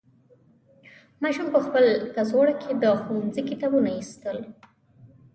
ماشوم په خپل کڅوړه کې د ښوونځي کتابونه ایستل.